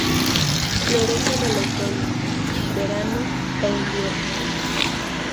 Florece en el otoño, verano e invierno.